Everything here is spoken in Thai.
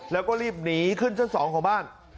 แล้วก็รีบหนีขึ้นชั้น๒ของบ้าน